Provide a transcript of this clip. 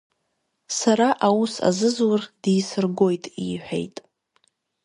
Сара аус азызур дисыргоит, — иҳәеит.